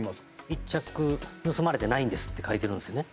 １着盗まれてないんですって書いてるんですね。